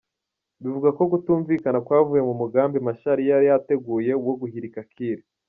Bivugwa ko kutumvikana kwavuye ku mugambi Machar yari yateguye wo guhirika Kiir.